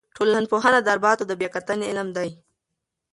ټولنپوهنه د ارتباطاتو د بیا کتنې علم دی.